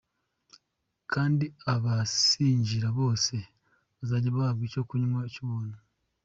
Kandi abazinjira bose bazajya bahabwa icyo kunywa cy’ubuntu”.